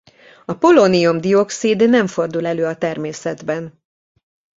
A polónium-dioxid nem fordul elő a természetben.